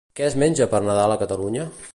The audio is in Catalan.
Què es menja per Nadal a Catalunya?